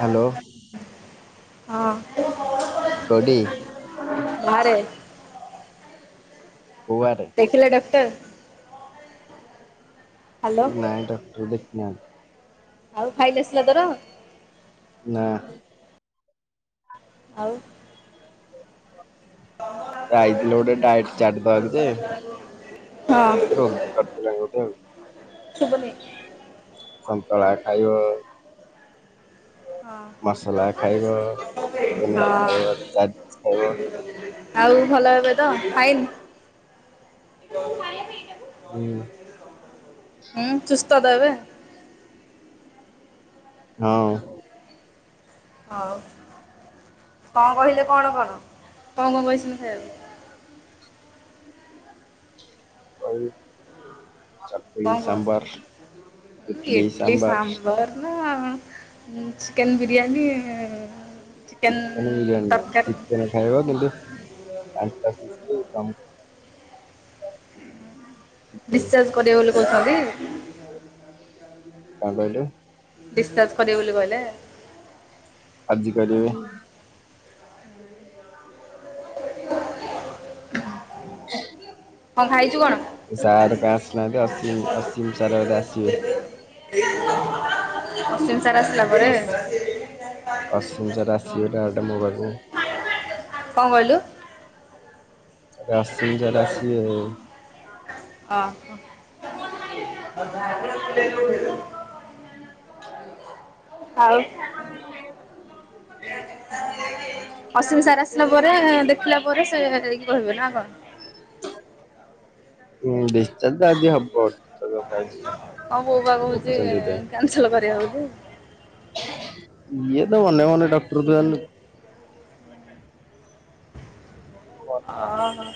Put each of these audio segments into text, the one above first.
Hello. [inaudible] ହଁ। କୋଉଠି? ବାହାରେ। କୋଉ ବାହାରେ? ଦେଖିଲେ ଡକ୍ଟର। ହ୍ୟାଲୋ ନାଇଁ ଡକ୍ଟର ଦେଖନାହାନ୍ତି। ଆଉ ଫାଇଲ ଆସିଲା ତୋର। ନା। ଆଉ ଯାଇଥିଲୁ ଗୋଟେ ଡ଼ାଇଟ୍ ଚାଟ୍ ଦବାକୁ ଯେ ହଁ। ମତେ ରୋଗୀ ପା ଶୁଭୁନି। [unintelligible] ସନ୍ତଳା ଖାଇବ। ହଁ ମସଲା ଖାଇବ ଚିକେନ ହଁ ଖାଇବ ଜା ଖାଇବ। ଆଉ ଭଲ ହେବେ ତ ଫାଇନ। ମ ପାଇଁ ଏଇଟା କୁ। ହୁଁ। ହୁଁ ସୁସ୍ଥ ତ ଏବେ। ହଁ। ହଉ କଣ କହିଲେ କଣ କର କଣ କଣ କହିଛନ୍ତି ଖାଇବାକୁ। [unintelligible] କଣ ସାମ୍ବର କହୁ ଇଡଲି ସାମ୍ବର ନା। ଚିକେନ ବିରିୟାନୀ ଚିକେନ ବିରିୟାନୀ ତରକାରୀ ନା ଖାଇବ କିନ୍ତୁ ପାଞ୍ଚଟିୁ କ କର ଡିସଚାର୍ଜ କରିବେ ବୋଲି କହୁଛନ୍ତି। [inaudible] କଣ କହିଲେ ଡିସ୍ଚାର୍ଜ କରିବ ବୋଲି କହିଲେ ଆଜି କରିବେ [unintelligible] [unintelligible] କଣ ଖାଇଛୁ କଣ ସାର୍ କାଇଁ ଆସିନାହାନ୍ତି ଅସୀମ ଅସୀମ ସାର୍ ବୋଧେ ଆସିବେ ନିର୍ସିମ୍ ସାର୍ ଆସିଲା ପରେ [unintelligible] କଣ କହିଲୁ ଆସିମ ସାର୍ ଆସିବେ ଆଉ ହଁ ଆଉ ଅସମି ସାର ଆସିଲା ପରେ ଦେଖିଲା ପରେ ସେ ଯାଇକି କହିବେ ନା କଣ ହଁ ଡିଶ୍ଚଚା ହଁ ବୋଉ ବା କହୁଛି ରଖିଛନ୍ତି ଏଇଥିପାଇଁ। କ୍ୟାନସଲ କରିବା ବଲି ଇଏ ତ ମନେ ମନେ ଡକ୍ଟର ତୁ ଜାଣିନୁ ଓ ହୋ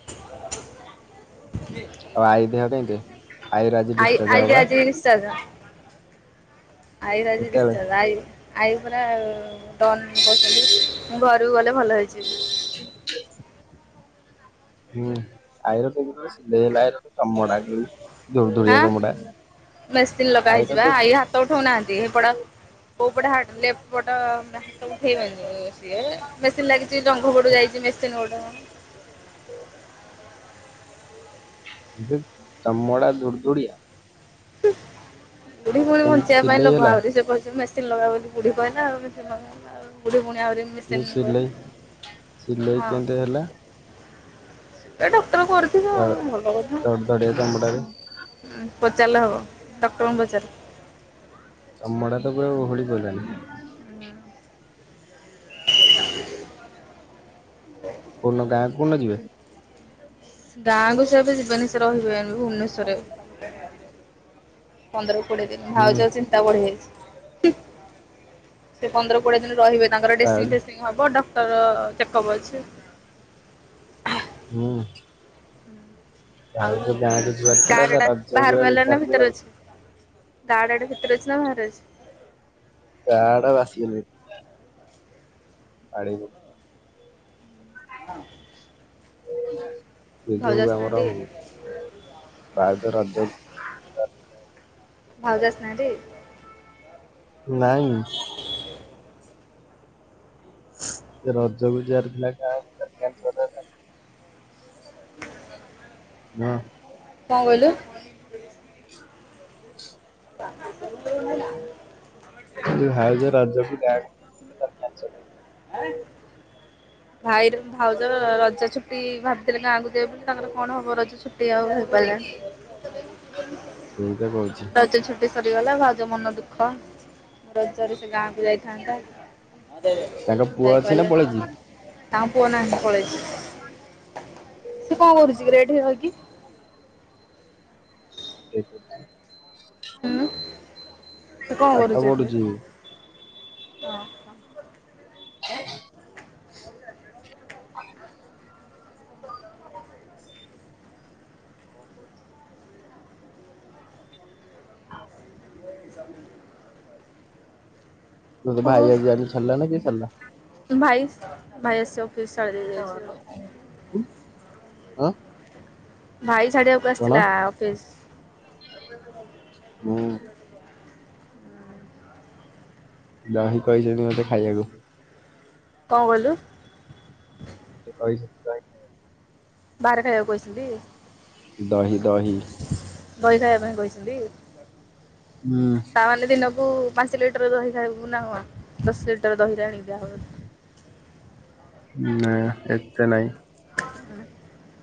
ହଁ ଆଉ ଆଈ ଦେହ କେମତି ଆଈର ଆଜି ଡିଶ୍ଚଚାର୍ଜ ହବ ବା ଡିଶ୍ଚାର୍ଜ ଆଈ ର ଆଜି କେତେବେଳେ ଡିଶ୍ଚାର୍ଜ ଆଇ ଆଈ ପୁରା ଡନ୍ କସଲି ମୁଁ ଘରକୁ ଗଲେ ଭଲ ହେଇଯିବି [inaudible] [inaudible] ଚମଡା କି ଧ ଧଡିଆ ଆଁ ଚମଡା ମେସିନ୍ ଲଗା ହେଇଛି ଆଇ ର ବା ତ ହାତ ଉଠଉନାହାନ୍ତି ହେପଟା କୋଉ ପଟେ ହାର୍ଟ ଲେପ୍ଟ ପଟ ହାତ ଉଠେଇବନି ସିଏ ମେସିନ୍ ଲାଗିଛି ଜଙ୍ଗ ପଡୁ ଯାଇଛି ମେସିନ ଗୋଡ ଚମଡା ଦୁଡ ଦୁଡିଆ ବୁଢୀ ପୁଣି କେମିତି ବଞ୍ଚିବା ପାଇଁ ସିଲେଇ ଲୋଭ ହେଲା ଆଉରି ସେ କହିଛି ମେ ସେନ ଲଗା ହଉଚ଼ି ବୁଢୀ ପାଇଁନା ଆଉରୀ ବୁଢୀ ପୁଣି ଆହୁରି ମେସିନ୍ ସିଲେଇ ସିଲେଇ ହଁ କେମେତି ହେଲା ଏ ଡକ୍ଟର କରୁଛି ତାର ଧଡ୍ ଧଡ଼ିଆ ଚମଡ଼ାରେ ପଚାରିଲେ ହବ ଡକ୍ଟର ଙ୍କୁ ପଚାରିଲେ ଚମଡା ତ ପୁରା ଓହଳି ପଡ଼ିଲାଣି [inaudible] କ ଉଦିନ ଗାଁ କଉ ଦିନ ଯିବେ ଗାଁକୁ ସିଏ ଏବେ ଯିବେନି ସେ ରହିବେ ଭୁବନେଶ୍ଵରରେ। ପନ୍ଦର କୋଡିଏ ଦିନ ହୁଁ ଭାଉଜ ଅଛି ତା ବଢିଆ ହେଇଛି ସେ ପନ୍ଦର କୋଡିଏ ଦିନ ରହିବେ ତାଙ୍କର ଭାଉଜ ଡେସିଂ ଫେସିଂ ହବ ଡକ୍ଟର ଚେକଅପ୍ ଅଛି ହୁଁ। ଆଉ ଭାଉଜ ଗାଁକୁ ଯିବାର ଥିଲା ତ ଗାଡାଟା ରଜ ପୁରା ବାହାରକୁ ଗଲା ନା ବେକାର ଭିତରେ ଅଛି। ଗାଡାଡା ଭିତରେ ଅଛି ନା ବାହାରେ ଅଛି? ଗାଡା ଆସିଗଲେ। ଆଡେଇବୁ। ହଁ। [unintelligible] ସେ ଭାଉଜ ଯୋଉ ଆମର ଆସିନାହାନ୍ତି ଭାରତ ରାଜ୍ୟ ଭାଉଜ ଆସିନାହାଁନ୍ତି? ନାଇଁ। [inaudible] ସେ ରଜଗୁଜାର ଥିଲା ଗା ହଁ। କଣ କହିଲୁ। [unintelligible] ଭାଉଜ ରାଜାକୁ [unintelligible] ଭାଇର ଭାଉଜ ରଜଛୁ ଛୁଟି ଭାବିଥିଲି ଗାଁକୁ ଯାଇ ବୋଲି ତାଙ୍କର କଣ ହବ ରଜ ଛୁଟି ଆଉ ହେଇପାରିଲାନି। ସେଇତ କହୁଛି। ରଜ ଛୁଟି ସରିଗଲା ଭାଉଜ ମନ ଦୁଃଖ ରଜରେ ସେ ଗାଁକୁ ଯାଇଥାନ୍ତା। ଆବେ ତାଙ୍କ ପୁଅ ଅଛି ନା ପଳେଇଛି? ଯାଇପରିଲାନି। ତାଙ୍କ ପୁଅ ନାଇ ପଳେଇଛି। ସେ କଣ କରୁଛି କିରେ ଏଠି ରହିକି? ଠିକ ଅଛି। ହୁଁ ସେ କଣ ପାଠ କରୁଛି ଏଠି। ପଢୁଛି [unintelligible] [unintelligible] [unintelligible] [unintelligible] [unintelligible] ତତେ ଓ ହଉ ଭାଇ ଆଜି ଆଣିକି ଛାଡିଲା ନା କିଏ ଛାଡିଲା। ଭାଇ ଭାଇ ଆସିବ। ଆ ଭାଇ ଛାଡିବାକୁ ଆସିଥିଲା ଅଫିସ। ହୁଁ ଦହି କହିଛନ୍ତି ମତେ ଖାଇବାକୁ। କଣ କହିଁଲୁ? କହି [unintelligible] ବାହାରେ ଖାଇବାକୁ ଆସିବି। ଦହି ଦହି। ବହି ଖାଇବା ପାଇଁ କହିଛନ୍ତି। ହୁଁ। ତାମାନେ ଦିନକୁ ପାଞ୍ଚ ଲିଟର ଦହି ଖାଇବାକୁ ନା କଣ ଦଶ ଲିଟର ଦହିରେ ଆଣିକିଆ ହଉ ହଁ ଏତେ ନାହିଁ। [unintelligible]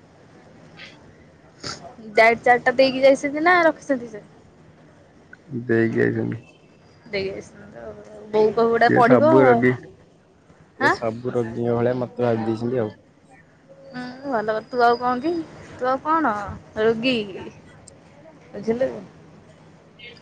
ଦା ଚାରିଟା ଦେଇକି ଯାଇଛନ୍ତି ନା ରଖିଛନ୍ତି ସେ? ଦେଇକି ଯାଇଛନ୍ତି। ଦେଇ ଆସିବ ବୋଉ କଗୁଡା ସିଏ ପଢିବ ଆଉ ହାଁ। ଗୋଟେ ଦିଅଁ ଭଳିଆ ମୋତେ ଭାଭି ଦେଇଛନ୍ତି ଆଉ। ଉୁଁ ଭଲ ତୁ ଆଉ କଣ କି ତୁ ଆଉ କଣ ରୋଗୀ? ବୁଝିଲୁ। କିଏ?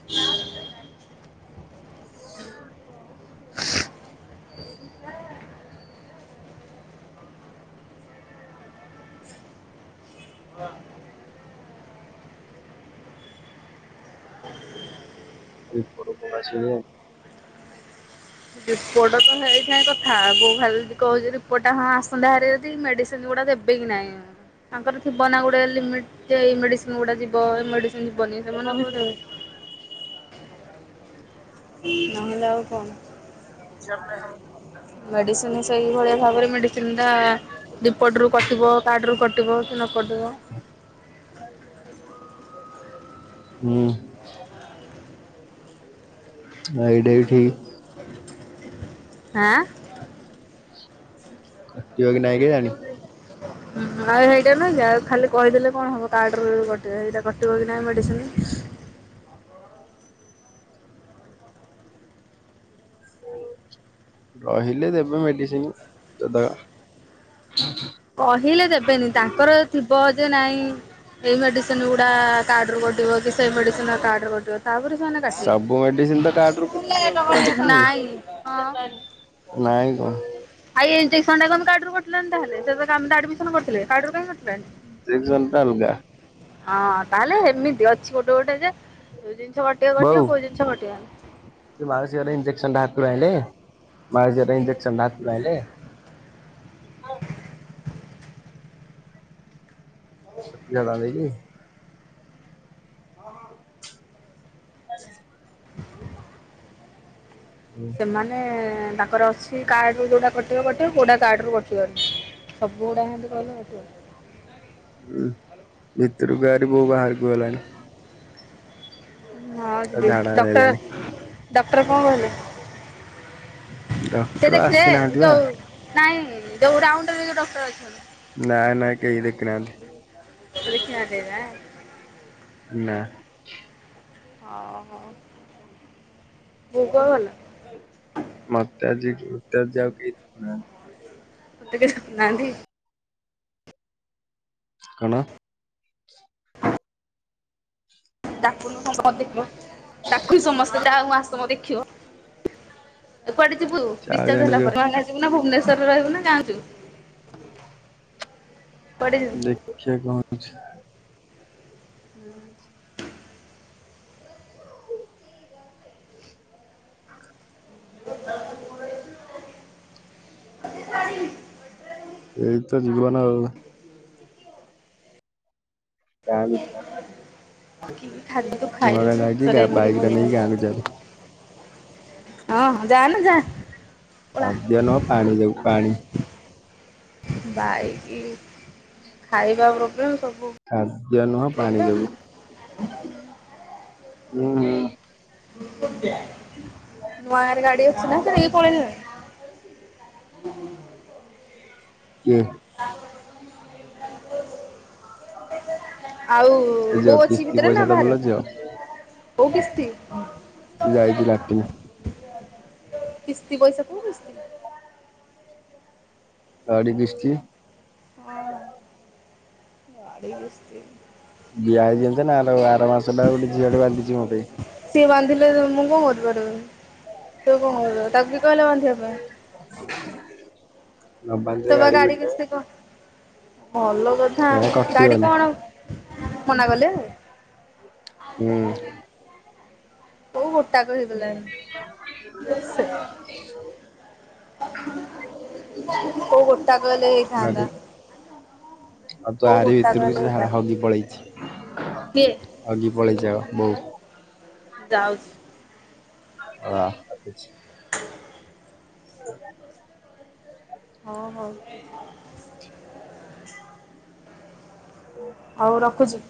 [inaudible] [inaudible] ସିଏ। ରିପୋର୍ଟ ତ ହେଇଥାଇ କଥା ବୋଉ ଖାଲି କହୁଛି, ରିପୋର୍ଟା ହଁ ଆସନ୍ତା ହେଲେ ଯଦି ମେଡ଼ିସିନ୍ ଗୁଡ଼ା ଦେ ବି କି ନାଇଁ ତାଙ୍କର ଥିବ ନା ଗୋଟେ ଲିମିଟ୍ ଏଇ ମେଡିସିନ୍ ଗୁଡା ଯିବ, ଏଇ ମେଡିସିନ ଯିବନି। ସେମାନେ କୋଉଠି। ନହେଲେ ଆଉ କଣ। [inaudible] ମେଡିସିନ୍ ସେଇ ଭଳିଆ ଭାବରେ ମେଡିସିନ୍ ଟା ରିପୋର୍ଟ ରୁ କଟିବ। କାର୍ଡ଼ରୁ କଟିବ କି ନ କଟିବ? ହୁଁ। ହଁ ଏଇଟା ବି ଠିକ୍। ହାଁଆଁ। କରିବ କି ନାଇଁ କେଜାଣି। ହୁଁ ଏଇଟା ନାହିଁ ଆଉ ଖାଲି କହିଦେଲେ କଣ ହବ କାର୍ଡ ରେ କଟିବ। କଟିବ କି ନାହିଁ ମେଡ଼ିସିନି କହିଲେ ଦେବେ ମେଡିସିନ୍ ଦାଦା। କହିଲେ ଦେବେନି ତାଙ୍କର ଥିବ ଯେ ନାଇଁ ଏଇ ମେଡିସିନ୍ ଗୁଡା ଆ। କାର୍ଡ ରୁ କଟିବ କି ସେଇ ମେଡିସିନ୍ ର କାର୍ଡ ରୁ କଟିବ। ତାପରେ ସେମାନେ କାଟିବେ ସବୁ ମେଡିସିନ ତ କାର୍ଡରୁ କରୁଛି ଆଉ ପୁରା କରୁନି କି? ନାଇଁ ହଁ! ନାଇଁ କଣ? ଆଇ ଇଞ୍ଜେକ୍ସନ୍ ଟା କଣ କାର୍ଡ ରୁ କଟିଥାନ୍ତା ତାହେଲେ। କିତନ କରୁଥିଲେ କାର୍ଡ ରୁ କାଇଁ କଟିଲା। ଇଞ୍ଜେକ୍ସନ ଟା ଅଲଗା ହଁ ତାହେଲେ ଏମିତି ଅଛି ଗୋଟେ ଗୋଟେ ଯେ ଜିନିଷ ଗୋଟିଏ ବୋଉ ଗୋଟିଏ କୋଉ ସେ ଜିନିଷ କଟିବନି। ମାଉସୀ ଘରୁ ଇଞ୍ଜେକସନ ଟା ହାତରୁ ଆଇଲେ ମାଉସୀ ଘର ଇଞଜେକ୍ସନ ଟା ହାତରୁ ଆଇଲେ। ଜବାବ୍ ଦେଇ କିି। ହଁ। [inaudible] ହୁଁ। ମାନେ ତାଙ୍କର ଅଛି, କାର୍ଡ ରୁ ଯୋଉଟା କଟିବ କଟିବ କୋଉଟା କାର୍ଡ ରୁ କଟିବନି। ସବୁ ଗୁଡା ଏମତି କହିଲେ ହବ। ହୁଁ ଭିତରକୁ ଆ ହରି ବୋଉ ବାହାରକୁ ଗଲାଣି। ହଁ ଦିଦି, ଝାଡା ଡକ୍ଟର ହେଲାଣି ଡକ୍ଟର କଣ କହିଲେ? ସେ ଡକ୍ଟର ଦେଖିଲେ ଆସିନାହାନ୍ତି ବା ଯୋଉ। ନାଇଁ ଯୋଉ ରାଉଣ୍ଡରରେ ଯୋଉ ଡକ୍ଟର ଅଛନ୍ତି। ନା ନା କେହି ଦେଖିନାହାନ୍ତି। [inaudible] ନାଁ। ହଁ ହଁ। ମୁଁ କ ଗଲା। ମୋତେ ଆଜି ମତେ ଆଜି ଆଉ କେହି ନାହାନ୍ତି। ମତେ କେ ଶୁଣୁ ନାହାଁନ୍ତି। କଣ? ଡାକୁୁନୁ କଣ ମତେ ପୁଅ ତାକୁ ସମସ୍ତେ ଜାହା ହଉ ଆସୁନ ଦେଖିବ। ତୁ କୁଆଡେ ଯିବୁ ଆଉ ରିଚାର୍ଜ ଜଣେ ହେଲା ଯୋଉ ପରେ? ଯିବୁ ନା ଭୁବନେଶ୍ୱରରେ ରହିବୁ ନା ଗାଁ କୁ ଯିବୁ କୁଆଡେ ଯିବୁ? ଦେଖିଆ କଣ ହଉଛି? ହୁଁ [unintelligible] ଏଇ ତ ଜୀବନ ଆଉ। ଗାଁ କୁ ଯା। କି ଖାଦ୍ୟ ତୁ ନୂଆ ଖାଇଣୁ ଗାଁ ଯାଇକି ଗା ବାଇକ [inaudible] ଟା ବଢିଆ ନେଇକି ହେଲା। ଗାଁକୁ ଯିବା ଭାରି। ଅ ହଁ ଯାଲ ଯା। ପଳା ଖାଧ୍ୟନ ପାଣି ଯଉୁ ପାଣି। ବାଇକି ଖାଇବା ପ୍ରୋବ୍ଲେମ୍ ସବୁ। ଖାଦ୍ୟ ନୁହଁ ପାଣି ପ୍ରୋବ୍ଲେମ୍ ଯଗୁ ହୁଁ ହୁଁ। [unintelligible] ନୂଆରେ ଗାଡି ଅଛି ନା ଫେରିକି ପଳେଇଲେଣି। [unintelligible] କିଏ? [unintelligible] ଆଉ ଏ ଝିଅ ବୋଉ ଅଛି କିସ୍ତି ଭିତରେ ନା ପଇସା ବାହାରେ? ଦବୁଲୋ ଝିଅ କୋଉ କିସ୍ତି? ସେ ଯାଇଚି ଲାଟିନି। କିସ୍ତି ପଇସା କୋଉ କିସ୍ତି? ଗାଡ଼ି କିସ୍ତି। ହଁ ହଁ ଗାଡ଼ି କିସ୍ତି। ଦିଆ ହେଇଚି ଯାଞ୍ଚନା ଆର ଆର ମାସଟା ଗୋଟେ ଝିଅ ଟେ ବାନ୍ଧିଛି ମୋତେ। ସିଏ ବାନ୍ଧିଲେ ମୁଁ କଣ କରିପାରିବି ତ କଣ କର ତାକୁ କିଏ କହିଲା ବାନ୍ଧିବା ପାଇଁ? [unintelligible] ନ ବାନ୍ଧିଲେ ତ ବା ଗାଡି ଭିଡିନେବେ କିସ୍ତି କ ଭଲ କଥା ଏ ଆଉ ଗାଡି କଟିବନି କଣ? ମନା କଲେ। ହୁଁ। ବୋଉ ମୋଟାକ ହେଇଗଲାଣି ସେ କଉ କ ତାକୁ ଦେଇ ନଦୀ ଥାଆନ୍ତା। ଆଉ ତାଆରି ଭିତରକୁ ଝା ହଗି ପଳେଇଛି କିଏ ହଗି ପଳେଇଛି ଆଉ ବୋଉ। ଯାଉ। ହଁ [inaudible] [inaudible] ହଁ ହଉ। ହୁଁ। ହଉ ରଖୁଛି।